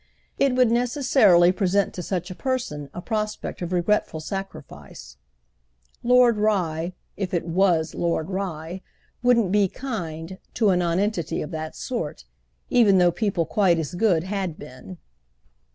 It would necessarily present to such a person a prospect of regretful sacrifice. Lord Rye—if it was Lord Rye—wouldn't be "kind" to a nonentity of that sort, even though people quite as good had been.